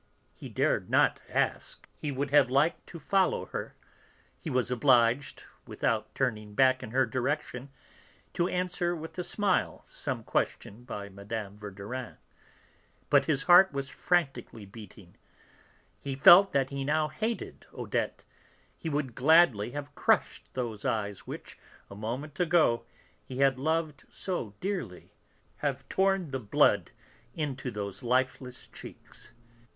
He dared not ask, he would have liked to follow her, he was obliged, without turning back in her direction, to answer with a smile some question by Mme. Verdurin; but his heart was frantically beating, he felt that he now hated Odette, he would gladly have crushed those eyes which, a moment ago, he had loved so dearly, have torn the blood into those lifeless cheeks.